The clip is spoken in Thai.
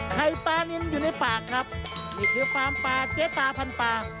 ไข่ปลานินอยู่ในปากครับมีผิวปลามปลาเจตาพันธุ์ปลา